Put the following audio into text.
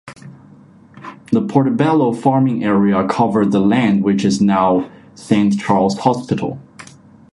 The Portobello farming area covered the land which is now Saint Charles Hospital.